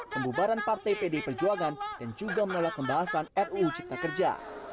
pembubaran partai pdi perjuangan dan juga menolak pembahasan ruu cipta kerja